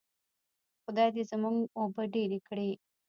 خدای دې زموږ اوبه ډیرې کړي.